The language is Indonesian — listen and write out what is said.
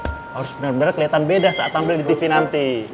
harus benar benar kelihatan beda saat tampil di tv nanti